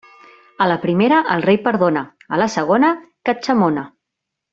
A la primera el rei perdona; a la segona, catxamona.